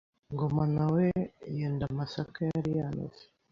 Ngoma na we yenda amasaka yari yameze